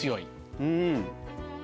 うん。